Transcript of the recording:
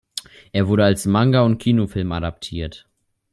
Er wurde als Manga und Kinofilm adaptiert.